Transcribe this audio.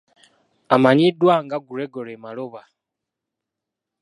Amanyiddwa nga Gregory Maloba.